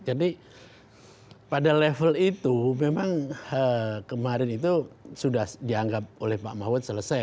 jadi pada level itu memang kemarin itu sudah dianggap oleh pak mahfud selesai